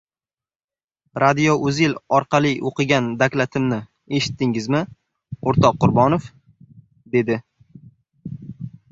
— Radiouzel orqali o‘qigan dokladimni eshitdingizmi, o‘rtoq Qurbonov? — dedi.